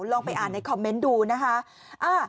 ลองไปอ่านในคอมเมนต์ดูนะคะ